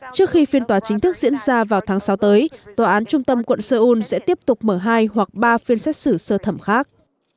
trước khi phiên tòa chính thức diễn ra vào tháng sáu tới tòa án trung tâm quận seoul sẽ tiếp tục mở hai hoặc ba phiên xét xử sơ thẩm khác